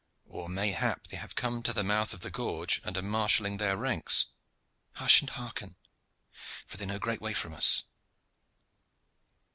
"Or mayhap they have come to the mouth of the gorge, and are marshalling their ranks. Hush and hearken! for they are no great way from us."